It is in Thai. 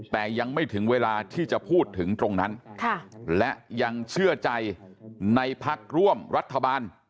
แต่ยังไม่ถึงเวลาที่จะพูดถึงตรงนั้นและยังเชื่อใจในพักร่วมรัฐบาล